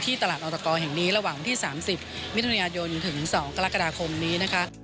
ที่ตลาดอตกระหว่างที่๓๐มิยถึง๒กรกฎาคมนี้